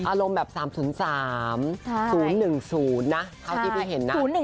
อารมณ์แบบ๓๐๓๐๑๐นะเท่าที่พี่เห็นนะ